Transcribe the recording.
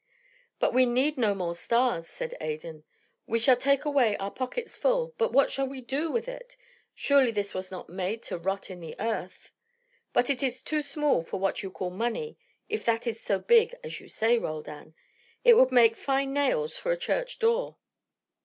"But we need no more stars," said Adan. "We shall take away our pockets full, but what shall we do with it? Surely this was not made to rot with the earth. But it is too small for what you call money, if that is so big as you say, Roldan. It would make fine nails for a church door."